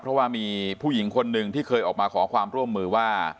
เพราะว่ามีผู้หญิงคนหนึ่งที่เคยออกมาขอความร่วมมือว่า